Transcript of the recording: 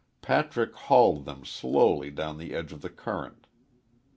Patrick hauled them slowly down the edge of the current.